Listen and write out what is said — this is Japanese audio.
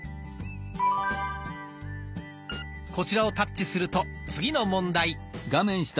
こちらをタッチすると次の問題。